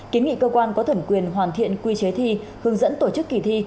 kiến nghị cơ quan có thẩm quyền hoàn thiện quy chế thi hướng dẫn tổ chức kỳ thi